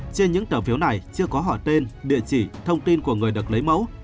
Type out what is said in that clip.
trên những tờ phiếu này chưa có họ tên địa chỉ thông tin của người được lấy mẫu